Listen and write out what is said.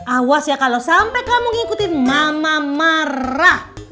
awas ya kalau sampai kamu ngikutin mama marah